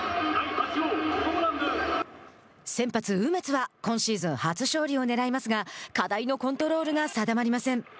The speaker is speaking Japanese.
先発梅津は今シーズン初勝利をねらいますが課題のコントロールが定まりません。